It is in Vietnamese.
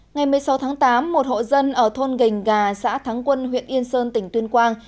ngày một mươi sáu tháng tám một hộ dân ở thôn gành gà xã thắng quân huyện yên sơn tỉnh tuyên quang